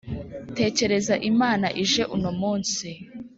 Tekereza Imana ije uno munsi.